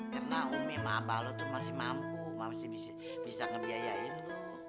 karena umi sama abah lo tuh masih mampu masih bisa ngebiayain lo